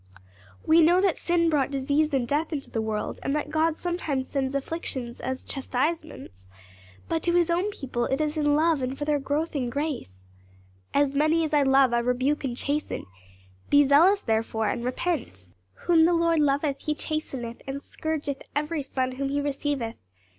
"We know that sin brought disease and death into the world and that God sometimes sends afflictions as chastisements; but to his own people it is in love and for their growth in grace. "'As many as I love, I rebuke and chasten; be zealous therefore and repent.' 'Whom the Lord loveth he chasteneth, and scourgeth every son whom he receiveth.